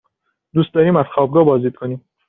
دوست داریم از خوابگاه بازدید کنیم.